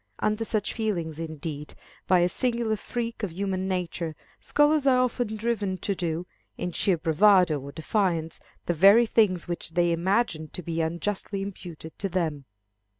Under such feelings, indeed, by a singular freak of human nature, scholars are often driven to do, in sheer bravado or defiance, the very things which they imagine to be unjustly imputed to them.